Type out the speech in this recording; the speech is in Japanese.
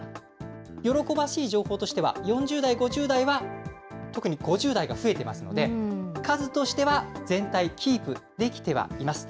喜ばしい情報としては４０代、５０代は、特に５０代が増えてますので、数としては全体キープできてはいます。